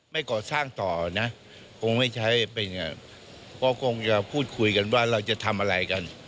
ไม่ก่อสร้างต่อนะคงไม่ใช้เป็นไงก็คงจะพูดคุยกันว่าเราจะทำอะไรกัน